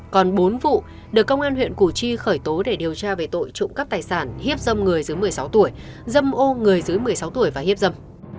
còn bốn vụ được công an huyện củ chi khởi tố để điều tra về tội trộm cắp tài sản hiếp dâm người dưới một mươi sáu tuổi dâm ô người dưới một mươi sáu tuổi và hiếp dâm